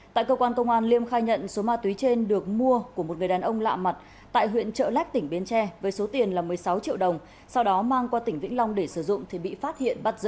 tại cơ quan công an liêm khai nhận số ma túy trên được mua của một người đàn ông lạ mặt tại huyện trợ lách tỉnh bến tre với số tiền là một mươi sáu triệu đồng sau đó mang qua tỉnh vĩnh long để sử dụng thì bị phát hiện bắt giữ